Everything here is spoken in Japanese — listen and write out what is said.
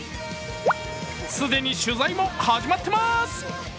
既に取材も始まってます。